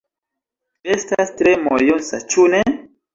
Estas tre mojosa, ĉu ne?